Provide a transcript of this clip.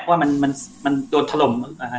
เพราะว่ามันโดนถล่ม